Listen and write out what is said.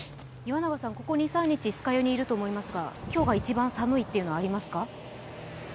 ここ２３日、酸ヶ湯にいると思いますが、今日が一番寒いという感じありますか？